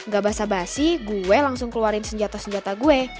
gak basah basi gue langsung keluarin senjata senjata gue